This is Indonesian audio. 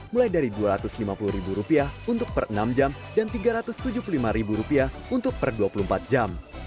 mulai dari rp dua ratus lima puluh untuk per enam jam dan rp tiga ratus tujuh puluh lima untuk per dua puluh empat jam